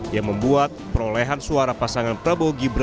yang membuat perolehan suara pasangan prabowo gibran